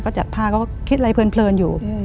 จัดผ้าก็คิดอะไรเพลินอยู่